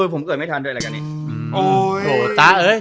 ผมเกิดไม่ทันด้วยรายการนี้